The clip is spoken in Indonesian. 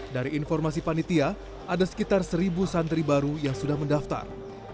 dari informasi panitia ada sekitar seribu santri baru yang sudah mendaftar